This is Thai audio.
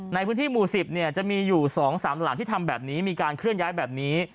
ในพื้นที่หมู่๑๐จะมีอยู่๒๓หลังที่ทำแบบนี้มีการเคลื่อนย้ายแบบนี้